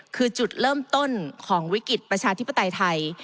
คือจุดเริ่มต้นของวิกฤตประชาธิปไตยไทย